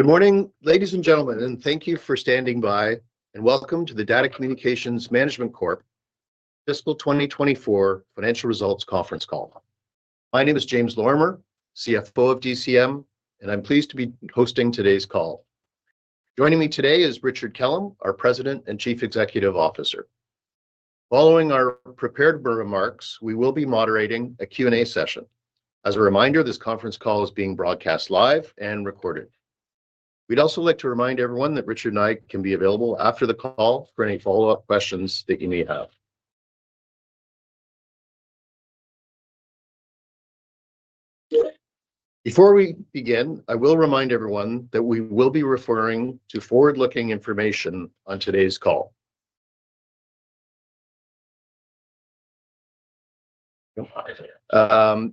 Good morning, ladies and gentlemen, and thank you for standing by, and welcome to the DATA Communications Management Corp Fiscal 2024 Financial Results Conference Call. My name is James Lorimer, CFO of DCM, and I'm pleased to be hosting today's call. Joining me today is Richard Kellam, our President and Chief Executive Officer. Following our prepared remarks, we will be moderating a Q&A session. As a reminder, this conference call is being broadcast live and recorded. We'd also like to remind everyone that Richard and I can be available after the call for any follow-up questions that you may have. Before we begin, I will remind everyone that we will be referring to forward-looking information on today's call.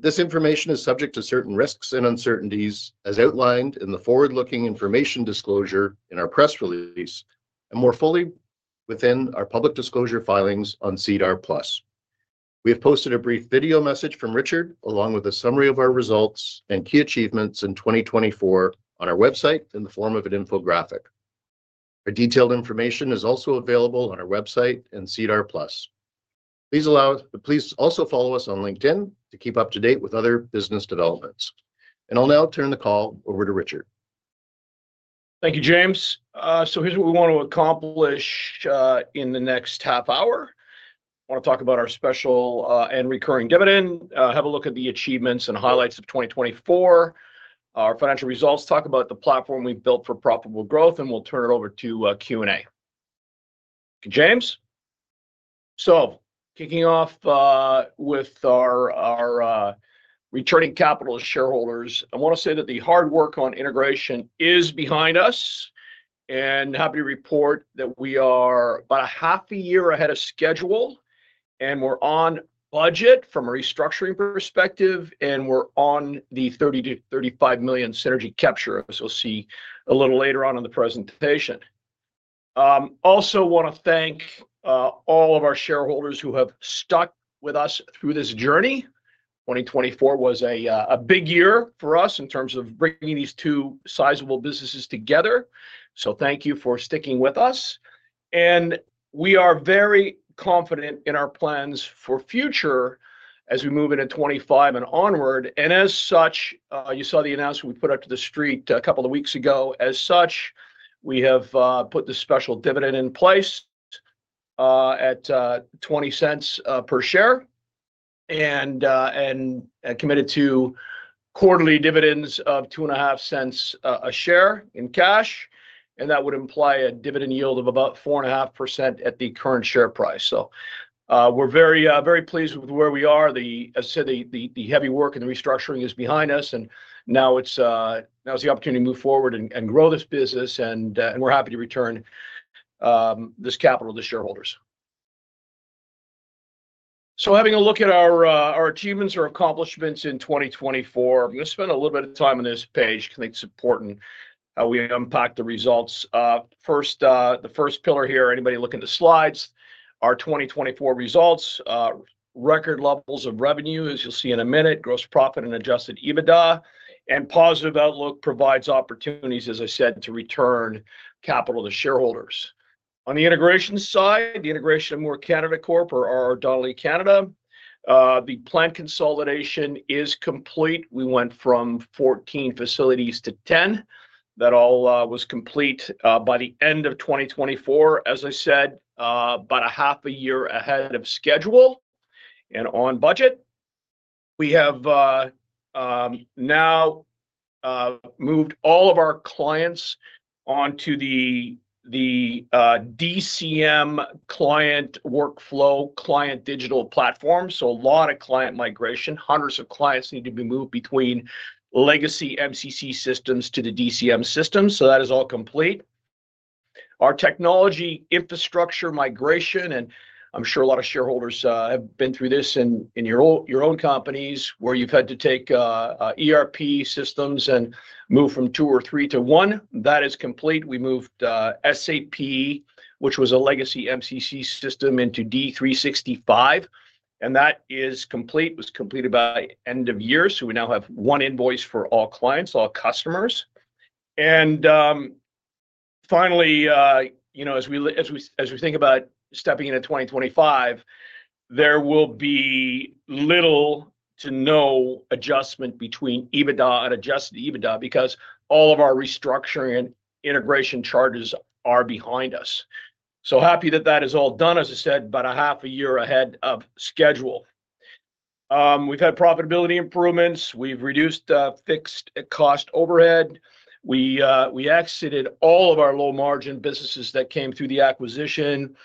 This information is subject to certain risks and uncertainties, as outlined in the forward-looking information disclosure in our press release and more fully within our public disclosure filings on SEDAR+. We have posted a brief video message from Richard, along with a summary of our results and key achievements in 2024, on our website in the form of an infographic. Our detailed information is also available on our website and SEDAR+. Please also follow us on LinkedIn to keep up-to-date with other business developments. I will now turn the call over to Richard. Thank you, James. Here is what we want to accomplish in the next half hour. I want to talk about our special and recurring dividend, have a look at the achievements and highlights of 2024, our financial results, talk about the platform we have built for profitable growth, and we will turn it over to Q&A. James? Kicking off with our returning capital shareholders, I want to say that the hard work on integration is behind us, and happy to report that we are about half a year ahead of schedule, and we are on budget from a restructuring perspective, and we are on the 30 million-35 million synergy capture, as you will see a little later on in the presentation. I also want to thank all of our shareholders who have stuck with us through this journey. 2024 was a big year for us in terms of bringing these two sizable businesses together. Thank you for sticking with us. We are very confident in our plans for the future as we move into 2025 and onward. As such, you saw the announcement we put up to the street a couple of weeks ago. We have put the special dividend in place at 0.20 per share and committed to quarterly dividends of 0.25 a share in cash. That would imply a dividend yield of about 4.5% at the current share price. We are very pleased with where we are. As I said, the heavy work and the restructuring is behind us, and now it is the opportunity to move forward and grow this business, and we are happy to return this capital to shareholders. Having a look at our achievements or accomplishments in 2024, I'm going to spend a little bit of time on this page because I think it's important how we unpack the results. First, the first pillar here, anybody looking at the slides, our 2024 results, record levels of revenue, as you'll see in a minute, gross profit and Adjusted EBITDA, and positive outlook provides opportunities, as I said, to return capital to shareholders. On the integration side, the integration of Moore Canada Corp or RRD Canada, the plant consolidation is complete. We went from 14 facilities to 10. That all was complete by the end of 2024, as I said, about half a year ahead of schedule and on budget. We have now moved all of our clients onto the DCM client workflow, client digital platform. A lot of client migration, hundreds of clients need to be moved between legacy MCC systems to the DCM systems. That is all complete. Our technology infrastructure migration, and I'm sure a lot of shareholders have been through this in your own companies where you've had to take ERP systems and move from two or three to one. That is complete. We moved SAP, which was a legacy MCC system, into D365, and that is complete. It was completed by end of year. We now have one invoice for all clients, all customers. Finally, as we think about stepping into 2025, there will be little to no adjustment between EBITDA and Adjusted EBITDA because all of our restructuring and integration charges are behind us. Happy that that is all done, as I said, about half a year ahead of schedule. We've had profitability improvements. We've reduced fixed cost overhead. We exited all of our low-margin businesses that came through the acquisition.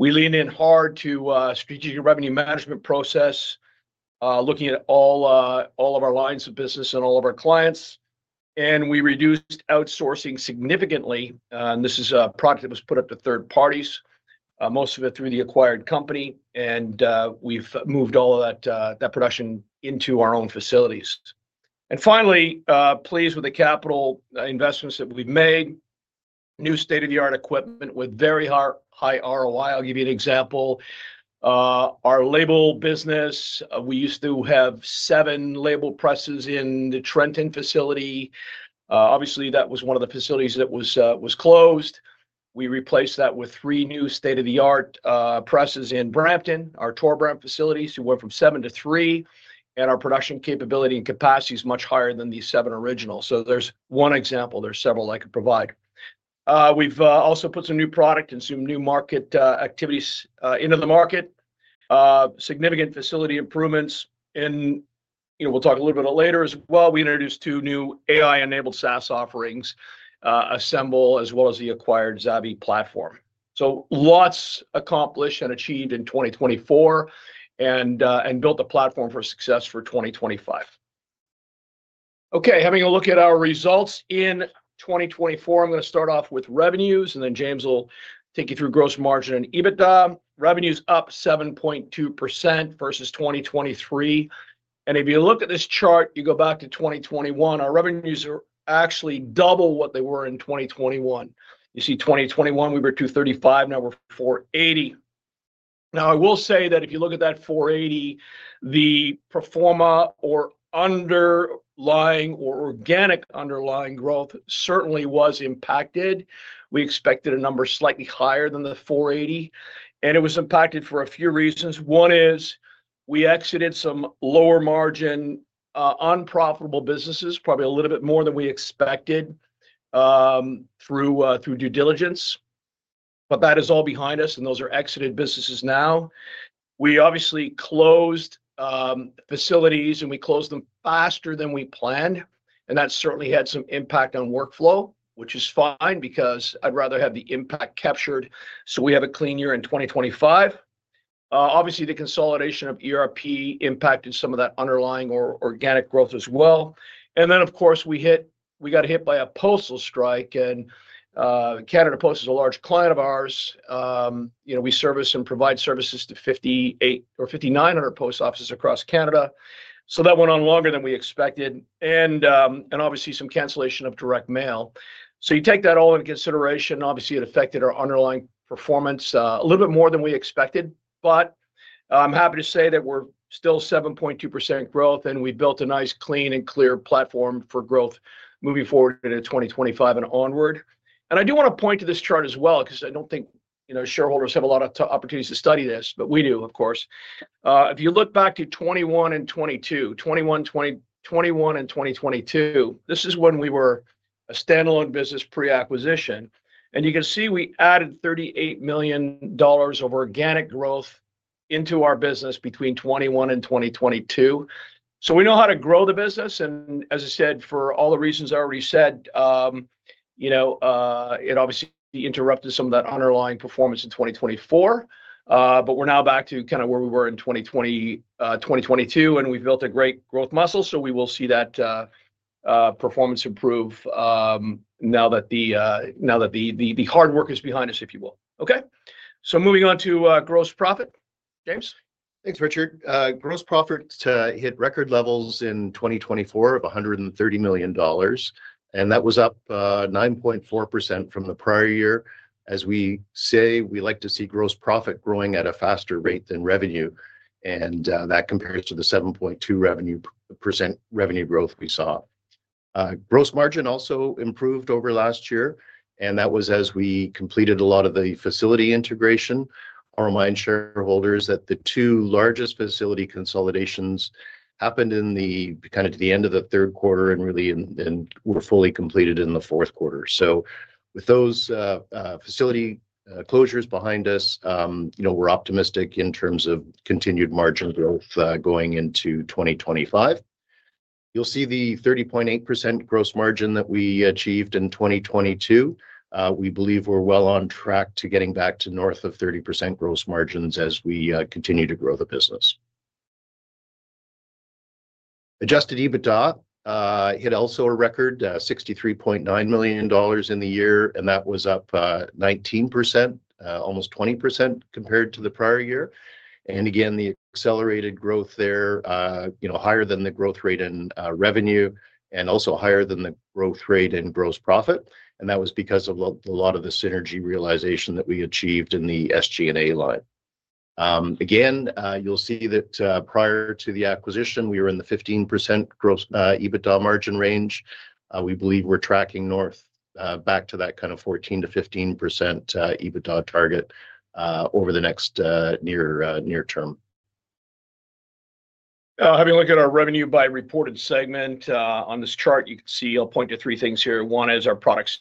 We leaned in hard to a strategic revenue management process, looking at all of our lines of business and all of our clients. We reduced outsourcing significantly. This is a product that was put up to third parties, most of it through the acquired company. We moved all of that production into our own facilities. Finally, pleased with the capital investments that we've made, new state-of-the-art equipment with very high ROI. I'll give you an example. Our label business, we used to have seven label presses in the Trenton facility. Obviously, that was one of the facilities that was closed. We replaced that with three new state-of-the-art presses in Brampton, our Torbram facilities, so we went from seven to three. Our production capability and capacity is much higher than the seven original. There is one example. There are several I could provide. We have also put some new product and some new market activities into the market, significant facility improvements. We will talk a little bit later as well. We introduced two new AI-enabled SaaS offerings, Assemble, as well as the acquired Zavy platform. Lots accomplished and achieved in 2024 and built a platform for success for 2025. Okay, having a look at our results in 2024, I am going to start off with revenues, and then James will take you through gross margin and EBITDA. Revenues up 7.2% versus 2023. If you look at this chart, you go back to 2021, our revenues are actually double what they were in 2021. You see 2021, we were 235 million, now we are 480 million. Now, I will say that if you look at that 480, the proforma or underlying or organic underlying growth certainly was impacted. We expected a number slightly higher than the 480, and it was impacted for a few reasons. One is we exited some lower-margin unprofitable businesses, probably a little bit more than we expected through due diligence. That is all behind us, and those are exited businesses now. We obviously closed facilities, and we closed them faster than we planned. That certainly had some impact on workflow, which is fine because I'd rather have the impact captured. We have a clean year in 2025. Obviously, the consolidation of ERP impacted some of that underlying or organic growth as well. Of course, we got hit by a postal strike, and Canada Post is a large client of ours. We service and provide services to 5,900 post offices across Canada. That went on longer than we expected, and obviously some cancellation of direct mail. You take that all into consideration, obviously it affected our underlying performance a little bit more than we expected. I'm happy to say that we're still at 7.2% growth, and we built a nice, clean, and clear platform for growth moving forward into 2025 and onward. I do want to point to this chart as well because I don't think shareholders have a lot of opportunities to study this, but we do, of course. If you look back to 2021 and 2022, this is when we were a standalone business pre-acquisition. You can see we added 38 million dollars of organic growth into our business between 2021 and 2022. We know how to grow the business. As I said, for all the reasons I already said, it obviously interrupted some of that underlying performance in 2024. We are now back to kind of where we were in 2022, and we have built a great growth muscle. We will see that performance improve now that the hard work is behind us, if you will. Okay. Moving on to gross profit, James. Thanks, Richard. Gross profit hit record levels in 2024 of 130 million dollars, and that was up 9.4% from the prior year. As we say, we like to see gross profit growing at a faster rate than revenue, and that compares to the 7.2% revenue growth we saw. Gross margin also improved over last year, and that was as we completed a lot of the facility integration. I remind shareholders that the two largest facility consolidations happened kind of to the end of the third quarter and really were fully completed in the fourth quarter. With those facility closures behind us, we're optimistic in terms of continued margin growth going into 2025. You'll see the 30.8% gross margin that we achieved in 2022. We believe we're well on track to getting back to north of 30% gross margins as we continue to grow the business. Adjusted EBITDA hit also a record 63.9 million dollars in the year, and that was up 19%, almost 20% compared to the prior year. The accelerated growth there was higher than the growth rate in revenue and also higher than the growth rate in gross profit. That was because of a lot of the synergy realization that we achieved in the SG&A line. You will see that prior to the acquisition, we were in the 15% gross EBITDA margin range. We believe we are tracking north back to that kind of 14%-15% EBITDA target over the next near term. Having a look at our revenue by reported segment on this chart, you can see I'll point to three things here. One is our product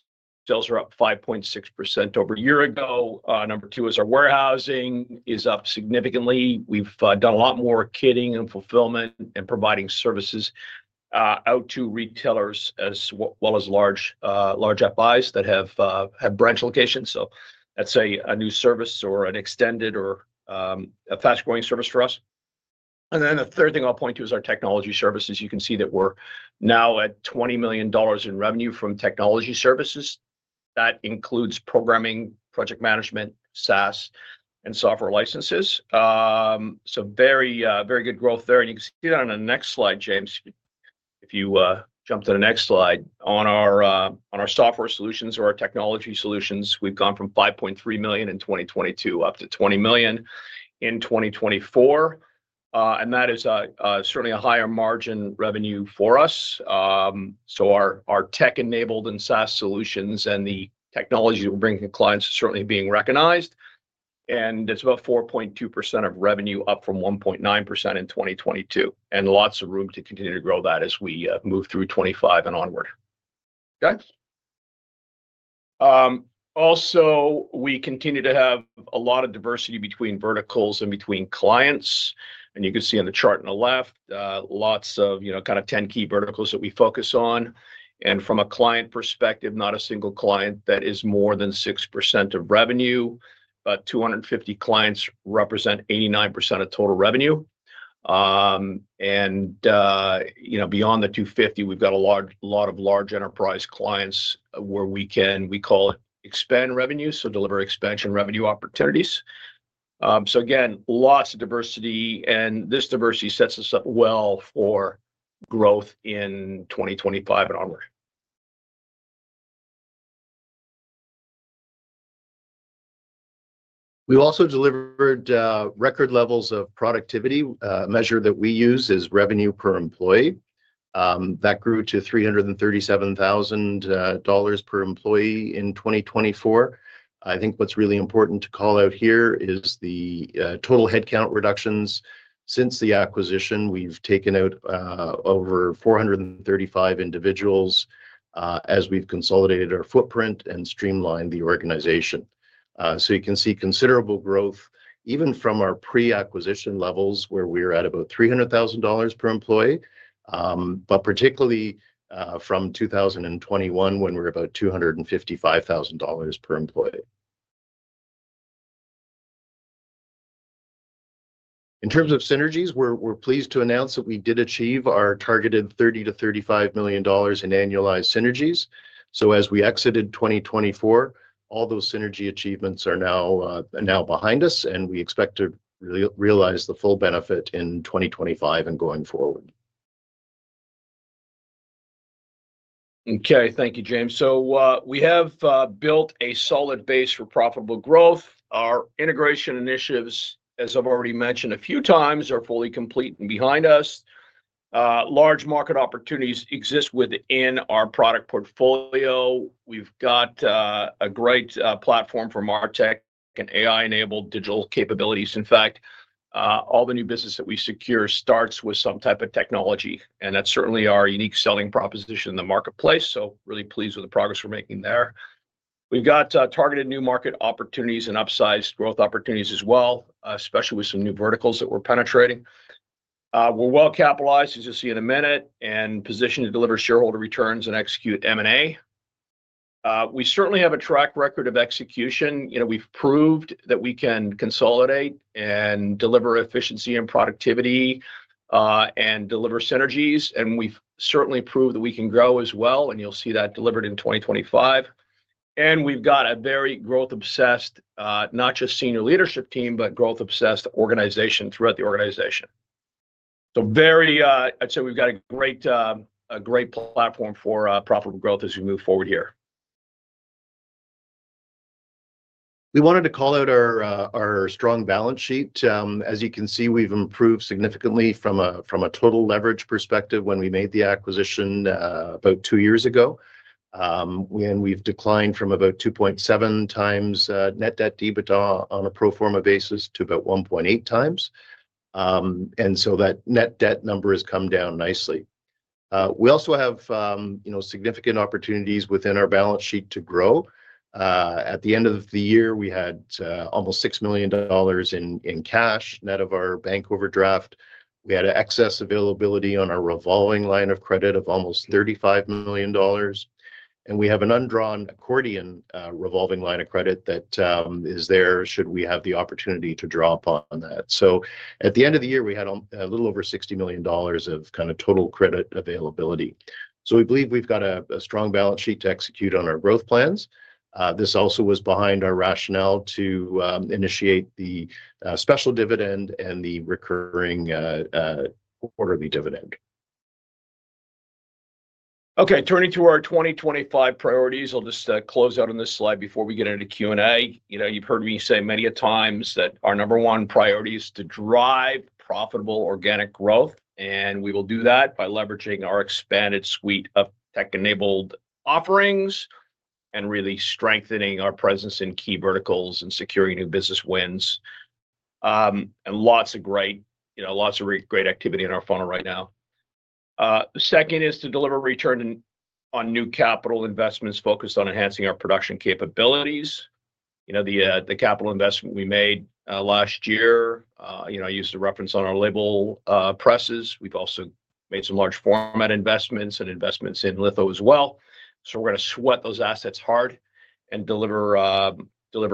sales are up 5.6% over a year ago. Number two is our warehousing is up significantly. We've done a lot more kitting and fulfillment and providing services out to retailers as well as large FIs that have branch locations. That is a new service or an extended or a fast-growing service for us. The third thing I'll point to is our technology services. You can see that we're now at 20 million dollars in revenue from technology services. That includes programming, project management, SaaS, and software licenses. Very good growth there. You can see that on the next slide, James, if you jump to the next slide. On our software solutions or our technology solutions, we have gone from 5.3 million in 2022 up to 20 million in 2024. That is certainly a higher margin revenue for us. Our tech-enabled and SaaS solutions and the technology we are bringing to clients are certainly being recognized. It is about 4.2% of revenue, up from 1.9% in 2022. There is lots of room to continue to grow that as we move through 2025 and onward. Also, we continue to have a lot of diversity between verticals and between clients. You can see on the chart on the left, lots of kind of 10 key verticals that we focus on. From a client perspective, not a single client is more than 6% of revenue, but 250 clients represent 89% of total revenue. Beyond the 250, we've got a lot of large enterprise clients where we can, we call it expand revenue, so deliver expansion revenue opportunities. Again, lots of diversity. This diversity sets us up well for growth in 2025 and onward. We've also delivered record levels of productivity. A measure that we use is revenue per employee. That grew to 337,000 dollars per employee in 2024. I think what's really important to call out here is the total headcount reductions. Since the acquisition, we've taken out over 435 individuals as we've consolidated our footprint and streamlined the organization. You can see considerable growth even from our pre-acquisition levels where we were at about 300,000 dollars per employee, but particularly from 2021 when we were about 255,000 dollars per employee. In terms of synergies, we're pleased to announce that we did achieve our targeted 30 million-35 million dollars in annualized synergies. As we exited 2024, all those synergy achievements are now behind us, and we expect to realize the full benefit in 2025 and going forward. Okay, thank you, James. We have built a solid base for profitable growth. Our integration initiatives, as I've already mentioned a few times, are fully complete and behind us. Large market opportunities exist within our product portfolio. We've got a great platform for martech and AI-enabled digital capabilities. In fact, all the new business that we secure starts with some type of technology. That's certainly our unique selling proposition in the marketplace. Really pleased with the progress we're making there. We've got targeted new market opportunities and upsized growth opportunities as well, especially with some new verticals that we're penetrating. We're well capitalized, as you'll see in a minute, and positioned to deliver shareholder returns and execute M&A. We certainly have a track record of execution. We've proved that we can consolidate and deliver efficiency and productivity and deliver synergies. We have certainly proved that we can grow as well. You will see that delivered in 2025. We have a very growth-obsessed, not just senior leadership team, but growth-obsessed organization throughout the organization. I would say we have a great platform for profitable growth as we move forward here. We wanted to call out our strong balance sheet. As you can see, we've improved significantly from a total leverage perspective when we made the acquisition about two years ago. We've declined from about 2.7x net debt/EBITDA on a proforma basis to about 1.8x. That net debt number has come down nicely. We also have significant opportunities within our balance sheet to grow. At the end of the year, we had almost 6 million dollars in cash net of our bank overdraft. We had excess availability on our revolving line of credit of almost 35 million dollars. We have an undrawn accordion revolving line of credit that is there should we have the opportunity to draw upon that. At the end of the year, we had a little over 60 million dollars of kind of total credit availability. We believe we've got a strong balance sheet to execute on our growth plans. This also was behind our rationale to initiate the special dividend and the recurring quarterly dividend. Okay, turning to our 2025 priorities, I'll just close out on this slide before we get into Q&A. You've heard me say many a times that our number one priority is to drive profitable organic growth. We will do that by leveraging our expanded suite of tech-enabled offerings and really strengthening our presence in key verticals and securing new business wins. Lots of great activity in our funnel right now. Second is to deliver return on new capital investments focused on enhancing our production capabilities. The capital investment we made last year, I used to reference on our label presses. We've also made some large format investments and investments in litho as well. We are going to sweat those assets hard and deliver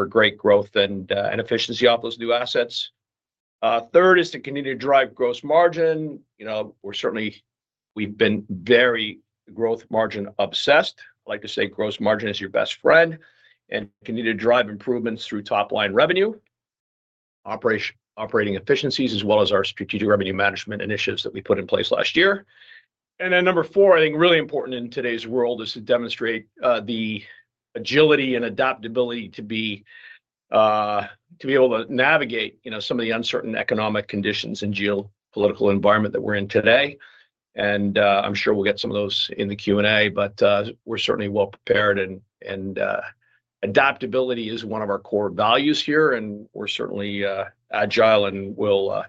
great growth and efficiency off those new assets. Third is to continue to drive gross margin. We've been very gross margin obsessed. I like to say gross margin is your best friend. We continue to drive improvements through top-line revenue, operating efficiencies, as well as our strategic revenue management initiatives that we put in place last year. Number four, I think really important in today's world is to demonstrate the agility and adaptability to be able to navigate some of the uncertain economic conditions and geopolitical environment that we're in today. I'm sure we'll get some of those in the Q&A, but we're certainly well prepared. Adaptability is one of our core values here. We're certainly agile and will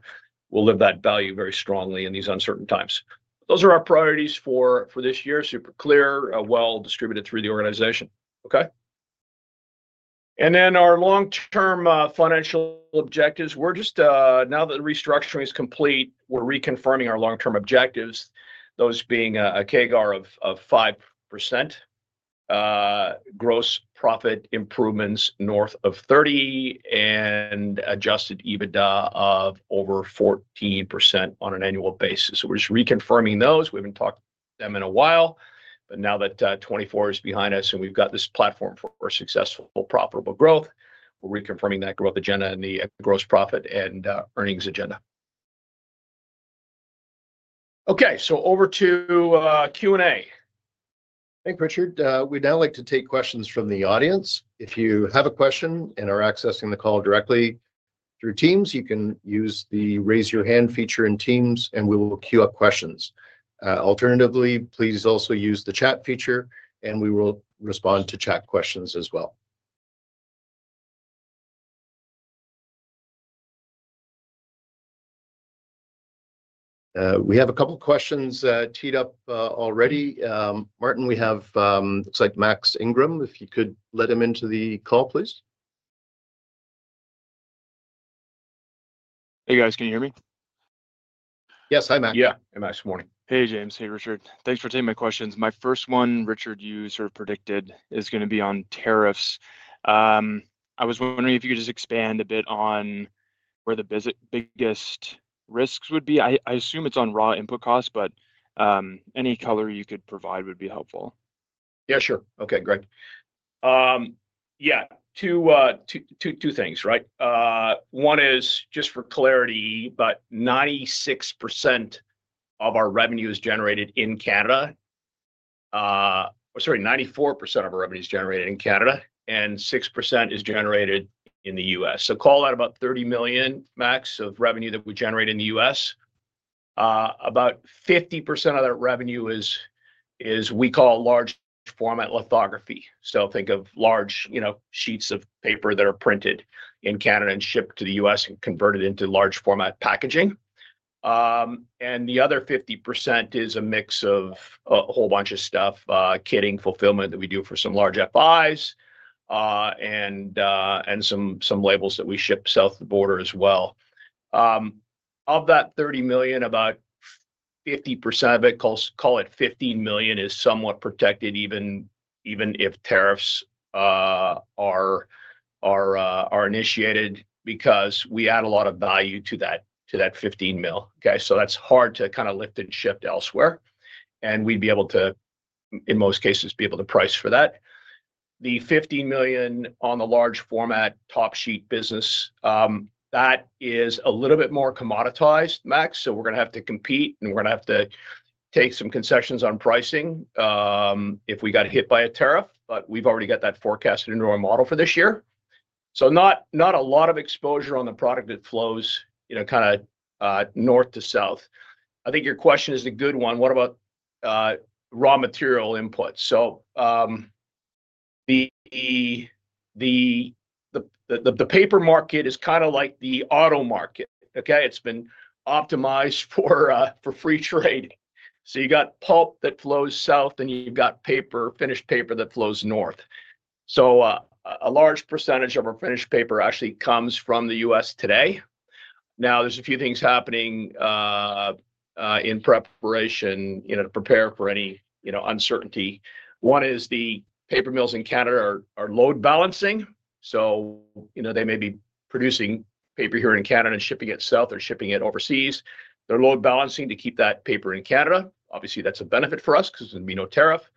live that value very strongly in these uncertain times. Those are our priorities for this year. Super clear, well distributed through the organization. Okay. Our long-term financial objectives. Now that the restructuring is complete, we're reconfirming our long-term objectives, those being a CAGR of 5%, gross profit improvements north of 30%, and Adjusted EBITDA of over 14% on an annual basis. We're just reconfirming those. We haven't talked to them in a while. Now that 2024 is behind us and we've got this platform for successful profitable growth, we're reconfirming that growth agenda and the gross profit and earnings agenda. Okay, over to Q&A. Thanks, Richard. We'd now like to take questions from the audience. If you have a question and are accessing the call directly through Teams, you can use the raise your hand feature in Teams, and we will queue up questions. Alternatively, please also use the chat feature, and we will respond to chat questions as well. We have a couple of questions teed up already. Martin, we have looks like Max Ingram. If you could let him into the call, please. Hey, guys. Can you hear me? Yes. Hi, Max. Yeah. Hey, Max. Morning. Hey, James. Hey, Richard. Thanks for taking my questions. My first one, Richard, you sort of predicted is going to be on tariffs. I was wondering if you could just expand a bit on where the biggest risks would be. I assume it's on raw input costs, but any color you could provide would be helpful. Yeah, sure. Okay, great. Yeah, two things, right? One is just for clarity, but 94% of our revenue is generated in Canada, and 6% is generated in the U.S. Call that about 30 million, Max, of revenue that we generate in the U.S. About 50% of that revenue is what we call large format lithography. Think of large sheets of paper that are printed in Canada and shipped to the U.S. and converted into large format packaging. The other 50% is a mix of a whole bunch of stuff, kitting, fulfillment that we do for some large FIs, and some labels that we ship south of the border as well. Of that 30 million, about 50% of it, call it 15 million, is somewhat protected even if tariffs are initiated because we add a lot of value to that 15 million. Okay? That is hard to kind of lift and shift elsewhere. We would be able to, in most cases, be able to price for that. The 15 million on the large format top sheet business, that is a little bit more commoditized, Max. We are going to have to compete, and we are going to have to take some concessions on pricing if we got hit by a tariff. We have already got that forecasted into our model for this year. Not a lot of exposure on the product that flows kind of north to south. I think your question is a good one. What about raw material inputs? The paper market is kind of like the auto market. Okay? It's been optimized for free trade. You've got pulp that flows south, and you've got finished paper that flows north. A large percentage of our finished paper actually comes from the U.S. today. Now, there's a few things happening in preparation to prepare for any uncertainty. One is the paper mills in Canada are load balancing. They may be producing paper here in Canada and shipping it south or shipping it overseas. They're load balancing to keep that paper in Canada. Obviously, that's a benefit for us because there's going to be no tariff.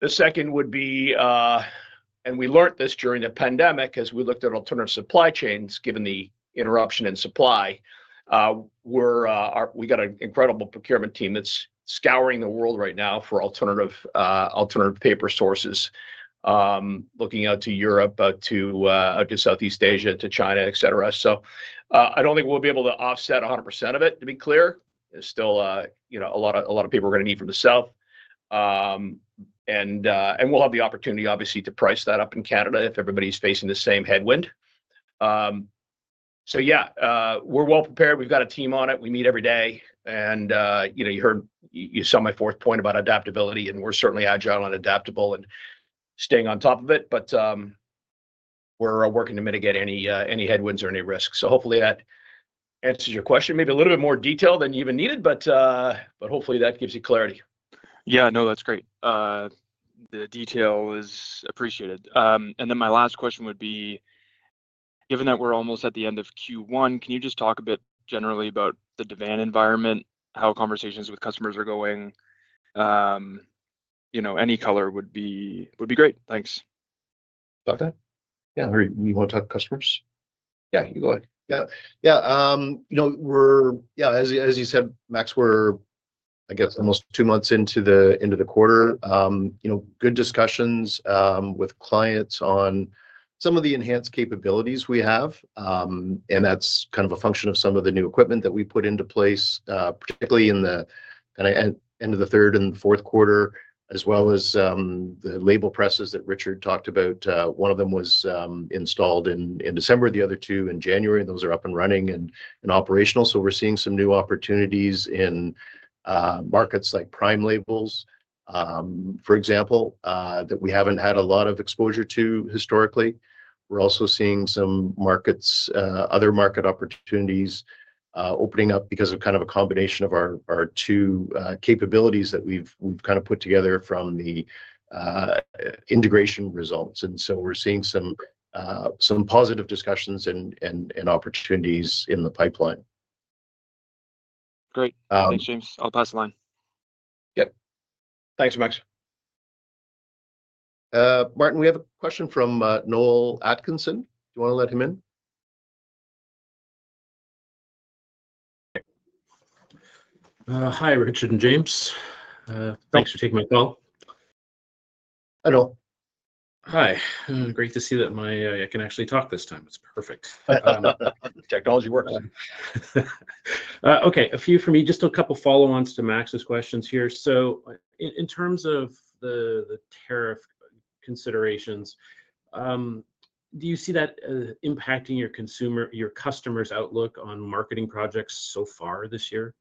The second would be, and we learned this during the pandemic as we looked at alternative supply chains, given the interruption in supply, we got an incredible procurement team that's scouring the world right now for alternative paper sources, looking out to Europe, out to Southeast Asia, to China, et cetera. I don't think we'll be able to offset 100% of it, to be clear. There's still a lot of paper we're going to need from the south. We will have the opportunity, obviously, to price that up in Canada if everybody's facing the same headwind. Yeah, we're well prepared. We've got a team on it. We meet every day. You heard you saw my fourth point about adaptability, and we're certainly agile and adaptable and staying on top of it. We're working to mitigate any headwinds or any risks. Hopefully, that answers your question. Maybe a little bit more detail than you even needed, but hopefully, that gives you clarity. Yeah, no, that's great. The detail is appreciated. My last question would be, given that we're almost at the end of Q1, can you just talk a bit generally about the demand environment, how conversations with customers are going? Any color would be great. Thanks. Okay. Yeah. Do you want to talk to customers? Yeah, you go ahead. Yeah. Yeah. Yeah. As you said, Max, we're, I guess, almost two months into the quarter. Good discussions with clients on some of the enhanced capabilities we have. That's kind of a function of some of the new equipment that we put into place, particularly in the end of the third and fourth quarter, as well as the label presses that Richard talked about. One of them was installed in December. The other two in January. Those are up and running and operational. We're seeing some new opportunities in markets like Prime Labels, for example, that we haven't had a lot of exposure to historically. We're also seeing some other market opportunities opening up because of kind of a combination of our two capabilities that we've kind of put together from the integration results. We're seeing some positive discussions and opportunities in the pipeline. Great. Thanks, James. I'll pass the line. Yep. Thanks, Max. Martin, we have a question from Noel Atkinson. Do you want to let him in? Hi, Richard and James. Thanks for taking my call. Hello. Hi. Great to see that I can actually talk this time. It's perfect. Technology works. Okay. A few for me. Just a couple of follow-ons to Max's questions here. In terms of the tariff considerations, do you see that impacting your customers' outlook on marketing projects so far this year?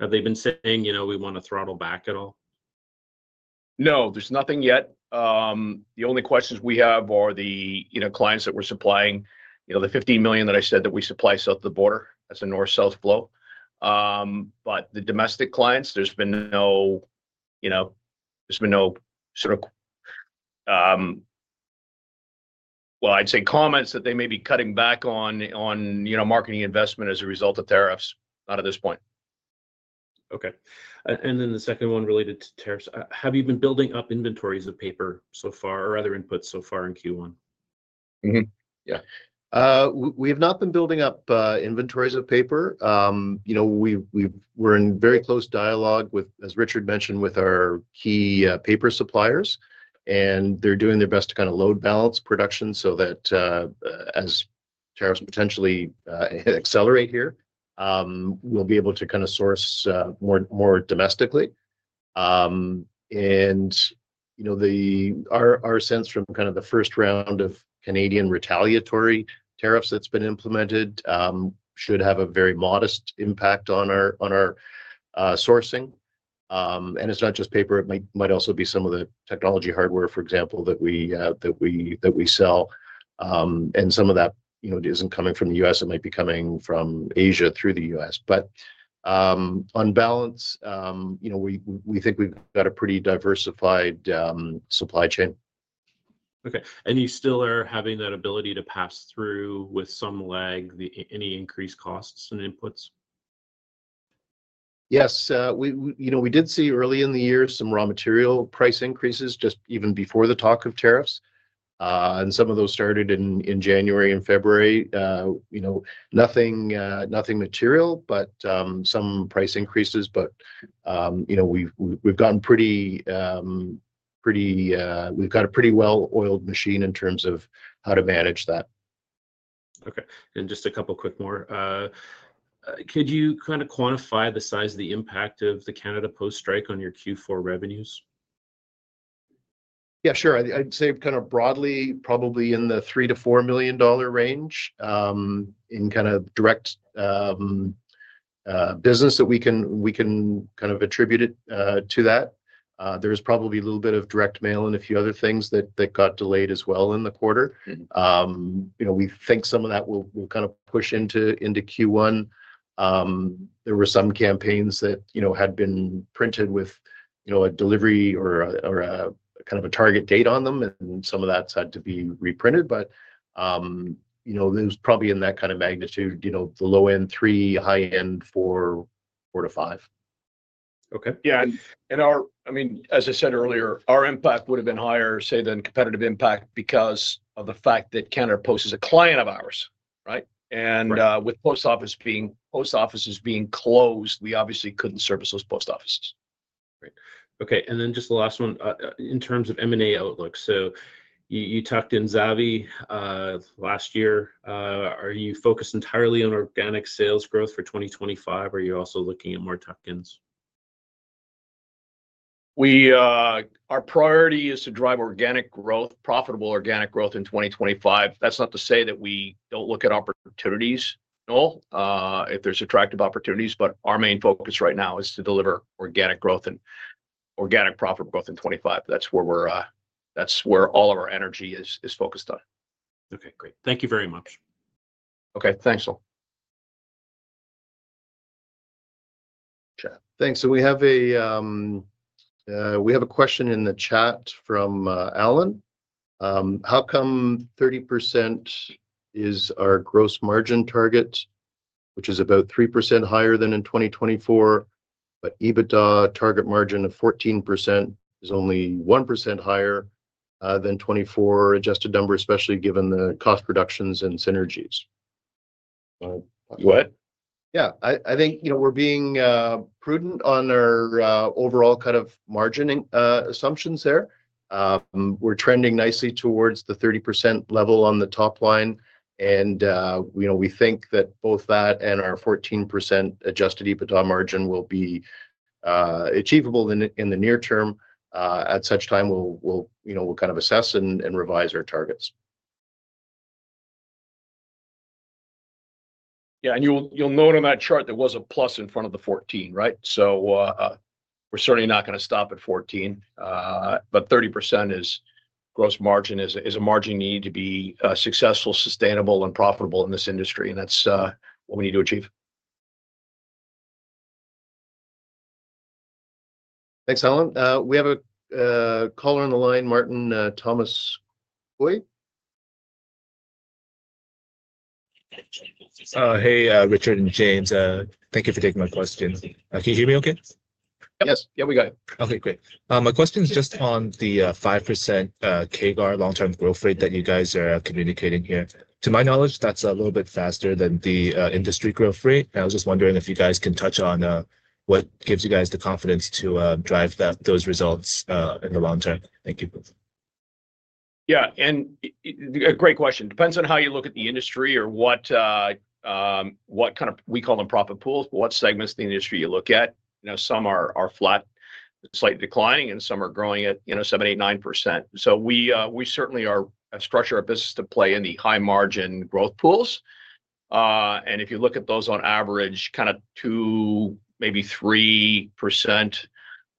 Have they been saying, "We want to throttle back at all? No, there's nothing yet. The only questions we have are the clients that we're supplying. The 15 million that I said that we supply south of the border, that's a north-south flow. The domestic clients, there's been no sort of, I mean, I'd say comments that they may be cutting back on marketing investment as a result of tariffs. Not at this point. Okay. The second one related to tariffs. Have you been building up inventories of paper so far or other inputs so far in Q1? Yeah. We have not been building up inventories of paper. We're in very close dialogue, as Richard mentioned, with our key paper suppliers. They're doing their best to kind of load balance production so that as tariffs potentially accelerate here, we'll be able to kind of source more domestically. Our sense from kind of the first round of Canadian retaliatory tariffs that's been implemented should have a very modest impact on our sourcing. It's not just paper. It might also be some of the tech hardware, for example, that we sell. Some of that isn't coming from the U.S. It might be coming from Asia through the U.S. On balance, we think we've got a pretty diversified supply chain. Okay. You still are having that ability to pass through with some lag, any increased costs and inputs? Yes. We did see early in the year some raw material price increases just even before the talk of tariffs. Some of those started in January and February. Nothing material, but some price increases. We have got a pretty well-oiled machine in terms of how to manage that. Okay. Just a couple of quick more. Could you kind of quantify the size of the impact of the Canada Post strike on your Q4 revenues? Yeah, sure. I'd say kind of broadly, probably in the 3 million-4 million dollar range in kind of direct business that we can kind of attribute to that. There's probably a little bit of direct mail and a few other things that got delayed as well in the quarter. We think some of that will kind of push into Q1. There were some campaigns that had been printed with a delivery or kind of a target date on them, and some of that had to be reprinted. It was probably in that kind of magnitude, the low end three, high end four, four to five. Okay. Yeah. I mean, as I said earlier, our impact would have been higher, say, than competitive impact because of the fact that Canada Post is a client of ours, right? With post offices being closed, we obviously couldn't service those post offices. Great. Okay. Just the last one, in terms of M&A outlook. You tucked in Zavy last year. Are you focused entirely on organic sales growth for 2025, or are you also looking at more tuck-ins? Our priority is to drive organic growth, profitable organic growth in 2025. That is not to say that we do not look at opportunities, no, if there are attractive opportunities. Our main focus right now is to deliver organic growth and organic profit growth in 2025. That is where all of our energy is focused on. Okay. Great. Thank you very much. Okay. Thanks, all. Thanks. We have a question in the chat from Allan. How come 30% is our gross margin target, which is about 3% higher than in 2024, but EBITDA target margin of 14% is only 1% higher than 2024 adjusted number, especially given the cost reductions and synergies? What? Yeah. I think we're being prudent on our overall kind of margin assumptions there. We're trending nicely towards the 30% level on the top line. We think that both that and our 14% Adjusted EBITDA margin will be achievable in the near term. At such time, we'll kind of assess and revise our targets. Yeah. You will note on that chart there was a plus in front of the 14, right? We are certainly not going to stop at 14. But 30% gross margin is a margin needed to be successful, sustainable, and profitable in this industry. That is what we need to achieve. Thanks, Allan. We have a caller on the line, Thomas Choi. Hey, Richard and James. Thank you for taking my question. Can you hear me okay? Yes. Yeah, we got you. Okay. Great. My question is just on the 5% CAGR long-term growth rate that you guys are communicating here. To my knowledge, that's a little bit faster than the industry growth rate. I was just wondering if you guys can touch on what gives you guys the confidence to drive those results in the long term. Thank you. Yeah. A great question. Depends on how you look at the industry or what kind of, we call them profit pools, but what segments of the industry you look at. Some are flat, slightly declining, and some are growing at 7%, 8%, 9%. We certainly structure our business to play in the high-margin growth pools. If you look at those on average, kind of 2%, maybe 3%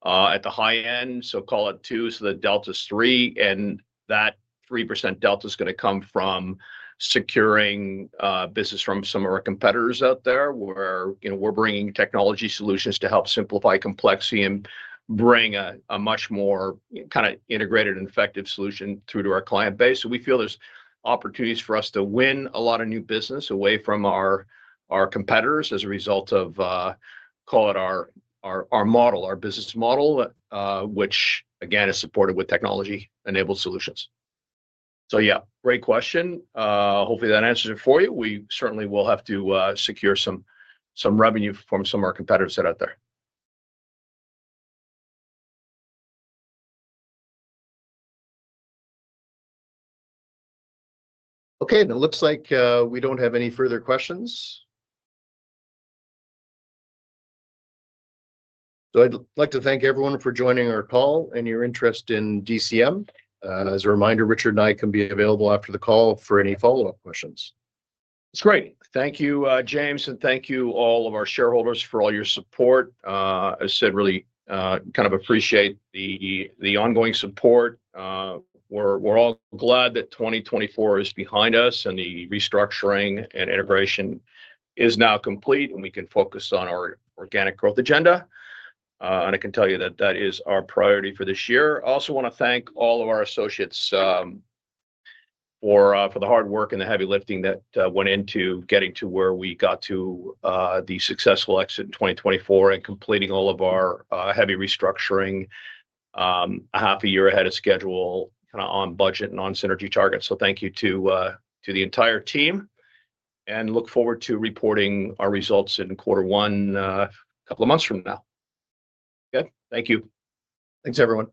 at the high end, so call it 2%, so the delta's 3%. That 3% delta is going to come from securing business from some of our competitors out there where we're bringing technology solutions to help simplify complexity and bring a much more kind of integrated and effective solution through to our client base. We feel there are opportunities for us to win a lot of new business away from our competitors as a result of, call it our model, our business model, which, again, is supported with technology-enabled solutions. Yeah, great question. Hopefully, that answers it for you. We certainly will have to secure some revenue from some of our competitors that are out there. Okay. It looks like we do not have any further questions. I would like to thank everyone for joining our call and your interest in DCM. As a reminder, Richard and I can be available after the call for any follow-up questions. That's great. Thank you, James. Thank you all of our shareholders for all your support. As I said, really kind of appreciate the ongoing support. We're all glad that 2024 is behind us and the restructuring and integration is now complete and we can focus on our organic growth agenda. I can tell you that that is our priority for this year. I also want to thank all of our associates for the hard work and the heavy lifting that went into getting to where we got to the successful exit in 2024 and completing all of our heavy restructuring a half a year ahead of schedule, kind of on budget and on synergy targets. Thank you to the entire team. I look forward to reporting our results in quarter one a couple of months from now. Okay. Thank you. Thanks, everyone.